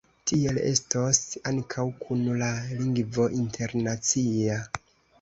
Tiel estos ankaŭ kun la lingvo internacia.